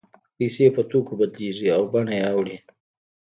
پیسې په توکو بدلېږي او بڼه یې اوړي